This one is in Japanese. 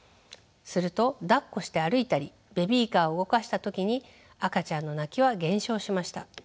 するとだっこして歩いたりベビーカーを動かした時に赤ちゃんの泣きは減少しました。